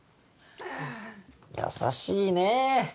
優しいね！